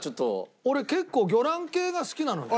俺結構魚卵系が好きなのね。